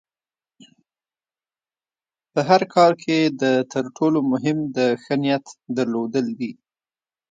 په هر کار کې د تر ټولو مهم د ښۀ نیت درلودل دي.